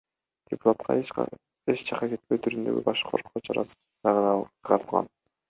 Депутатка эч жакка кетпөө түрүндөгү баш коргоо чарасы чыгарылган.